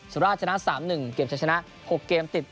สุราชชนะ๓๑เกมจะชนะ๖เกมติด